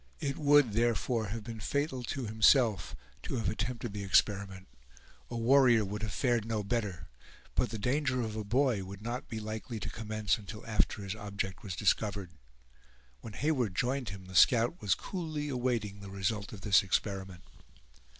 It would, therefore, have been fatal to himself to have attempted the experiment; a warrior would have fared no better; but the danger of a boy would not be likely to commence until after his object was discovered. When Heyward joined him, the scout was coolly awaiting the result of this experiment.